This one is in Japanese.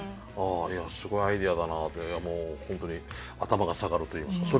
いやすごいアイデアだなってもう本当に頭が下がるといいますか。